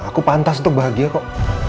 aku pantas untuk bahagia kok